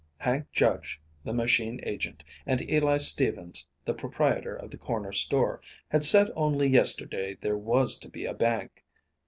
Hank Judge, the machine agent, and Eli Stevens, the proprietor of the corner store, had said only yesterday there was to be a bank.